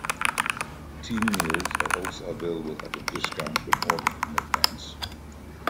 Team meals are also available at a discount when ordered in advance.